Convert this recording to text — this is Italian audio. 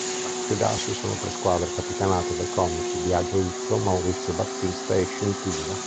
A sfidarsi sono tre squadre capitanate dai comici Biagio Izzo, Maurizio Battista e Scintilla.